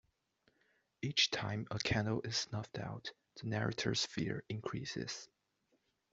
Each time a candle is snuffed out, the narrator's fear increases.